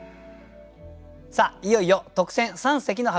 さあいよいよ特選三席の発表です。